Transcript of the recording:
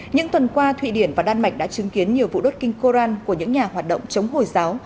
những tuần qua thụy điển và đan mạch đã chứng kiến nhiều vụ đốt kinh koran của những nhà hoạt động chống hồi giáo